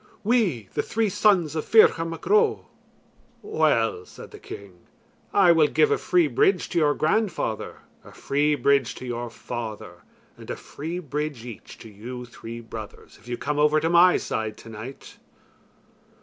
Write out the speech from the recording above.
"We, the three sons of Ferchar Mac Ro." "Well," said the king, "I will give a free bridge to your grandfather, a free bridge to your father, and a free bridge each to you three brothers, if you come over to my side tonight."